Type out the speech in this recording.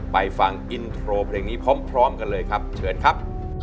ไปฟังอินโทรเพลงนี้พร้อมกันเลยครับเชิญครับ